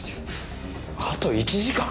あと１時間！